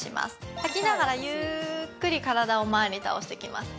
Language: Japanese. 吐きながらゆっくり体を倒していきます。